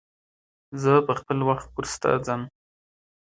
學速讀係咪要好專心先得？